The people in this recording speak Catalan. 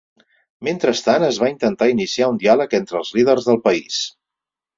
Mentrestant, es va intentar iniciar un diàleg entre els líders del país.